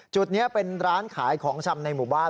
จุดนี้เป็นร้านขายของชำในหมู่บ้าน